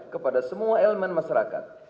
kepada semua elemen masyarakat